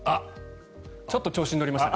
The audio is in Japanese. ちょっと調子に乗りましたね。